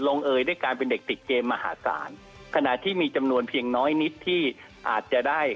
เอ่ยด้วยการเป็นเด็กติดเกมมหาศาลขณะที่มีจำนวนเพียงน้อยนิดที่อาจจะได้